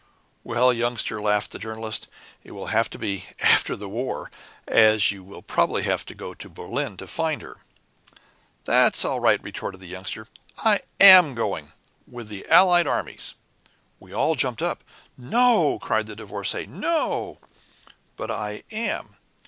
"Well, Youngster," laughed the Journalist, "it will have to be 'after the war,' as you will probably have to go to Berlin to find her." "That's all right!" retorted the Youngster. "I am going with the Allied armies." We all jumped up. "No!" cried the Divorcée. "No!!" "But I am.